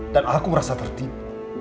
dan aku merasa tertibu